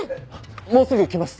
もうすぐ来ます。